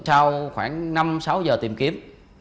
sau khoảng năm sáu giờ tìm kiếm